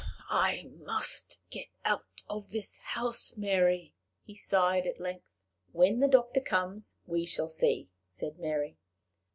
"I must get out of this house, Mary," he sighed at length. "When the doctor comes, we shall see," said Mary.